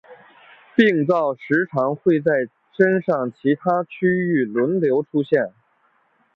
病灶时常会在身上其他区域轮流出现。